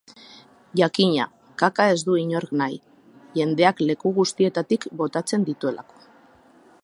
Jakina, kaka ez du inork nahi, jendeak leku guztietatik botatzen dituelako.